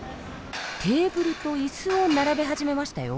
テーブルとイスを並べ始めましたよ。